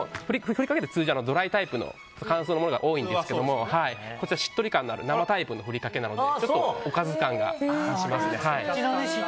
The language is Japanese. ふりかけって通常ドライタイプの乾燥のものが多いんですがこちら、しっとり感がある生タイプのふりかけなのでおかず感があります。